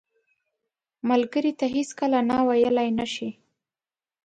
ملګری ته هیڅکله نه ویلې نه شي